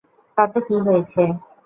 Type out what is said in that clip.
তাতে কি হয়েছে!